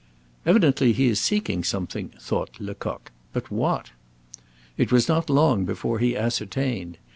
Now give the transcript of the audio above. "Evidently he is seeking something," thought Lecoq: "but what?" It was not long before he ascertained.